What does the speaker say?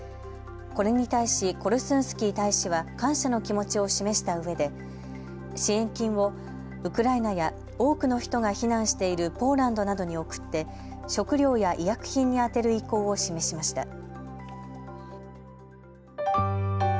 これに対しコルスンスキー大使は感謝の気持ちを示したうえで支援金をウクライナや多くの人が避難しているポーランドなどにおくって食料や医薬品に充てる意向を示しました。